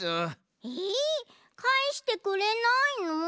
えかえしてくれないの？